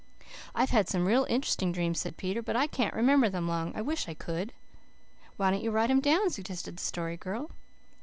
"I've had some real int'resting dreams," said Peter, "but I can't remember them long. I wish I could." "Why don't you write them down?" suggested the Story Girl.